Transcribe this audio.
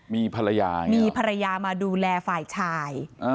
มีภรรยามีภรรยามาดูแลฝ่ายชาย